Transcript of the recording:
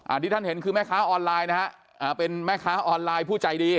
ที่ท่านเห็นคือแม่ค้าออนไลน์นะฮะอ่าเป็นแม่ค้าออนไลน์ผู้ใจดี